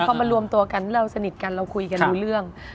พอมารวมตัวกันเราสนิทกันเราคุยกันรู้เรื่อง